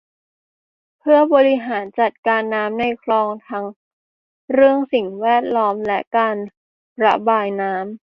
เพื่อบริหารจัดการน้ำในคลองทั้งเรื่องสิ่งแวดล้อมและการระบายน้ำ